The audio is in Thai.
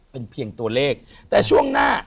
เป็นเพียงตัวเลขแต่ช่วงหน้า